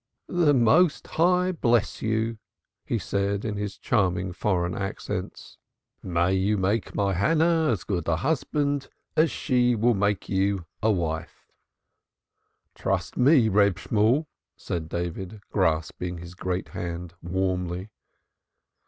"The Most High bless you!" he said in his charming foreign accents. "May you make my Hannah as good a husband as she will make you a wife." "Trust me, Reb Shemuel," said David, grasping his great hand warmly.